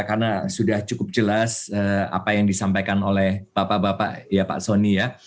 karena sudah cukup jelas apa yang disampaikan oleh bapak bapak ya pak soni ya